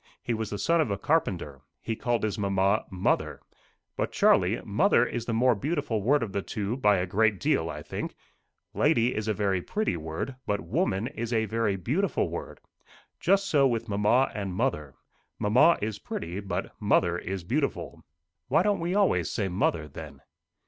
He was the son of a carpenter. He called his mamma, mother. But, Charlie, mother is the more beautiful word of the two, by a great deal, I think. Lady is a very pretty word; but woman is a very beautiful word. Just so with mamma and mother. Mamma is pretty, but mother is beautiful." "Why don't we always say mother then?"